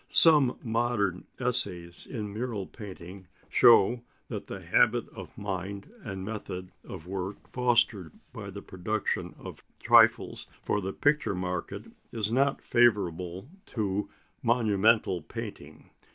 Some modern essays in mural painting show that the habit of mind and method of work fostered by the production of trifles for the picture market is not favourable to monumental painting.